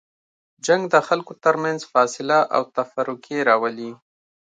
جنګ د خلکو تر منځ فاصله او تفرقې راولي.